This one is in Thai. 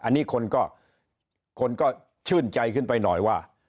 อันนี้คนก็คนก็ชื่นใจขึ้นไปหน่อยว่า